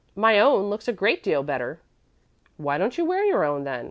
My own looks a great deal better." "Why don't you wear your own, then?